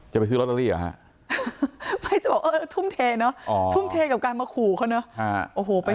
จะไปซื้อรอเตอรี่หรอฮะ